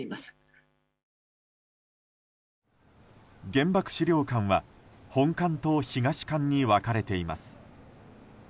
原爆資料館は本館と東館に分かれています。